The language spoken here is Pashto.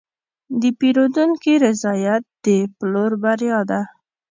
د پیرودونکي رضایت د پلور بریا ده.